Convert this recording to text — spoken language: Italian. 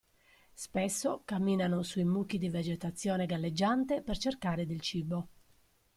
Spesso camminano sui mucchi di vegetazione galleggiante per cercare del cibo.